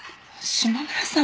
島村さん。